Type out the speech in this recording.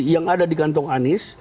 jadi yang ada di kantong anies